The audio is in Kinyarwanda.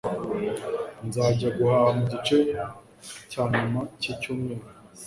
nzajya guhaha mugice cyanyuma cyicyumweru